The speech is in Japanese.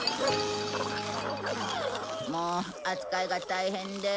もう扱いが大変で。